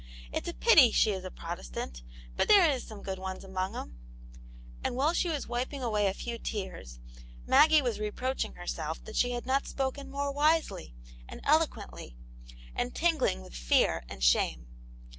" It*s a pity she is a Protestant, but there is some good ones among 'em." And while she was wiping away a few tears, Maggie was reproaching herself that she had not spoken more wisely, and elo quently, and tingling with fear and shame.